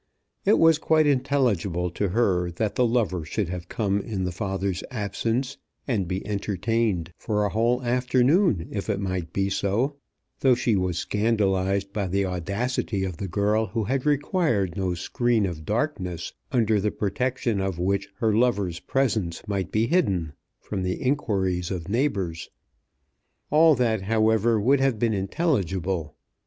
It was quite intelligible to her that the lover should come in the father's absence and be entertained, for a whole afternoon if it might be so; though she was scandalized by the audacity of the girl who had required no screen of darkness under the protection of which her lover's presence might be hidden from the inquiries of neighbours. All that, however, would have been intelligible.